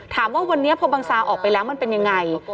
ถามว่าวันนี้พอบังซาออกไปแล้วมันเป็นยังไง